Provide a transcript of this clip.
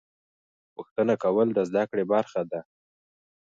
پوښتنه کول د زده کړې برخه ده.